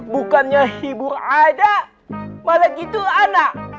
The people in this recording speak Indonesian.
bukannya hibur ada malah gitu anak